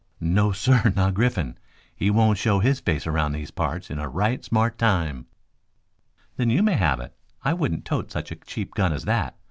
"No, sir, not Griffin. He won't show his face around these parts in a right smart time." "Then you may have it. I wouldn't tote such a cheap gun as that.